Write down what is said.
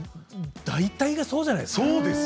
大体そうじゃないですか？